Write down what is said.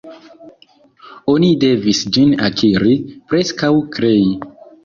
Oni devis ĝin akiri, preskaŭ krei.